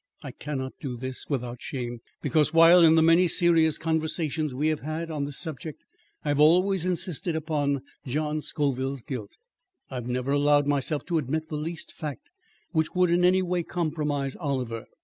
I cannot do this without shame, because while in the many serious conversations we have had on this subject, I have always insisted upon John Scoville's guilt. I have never allowed myself to admit the least fact which would in any way compromise Oliver.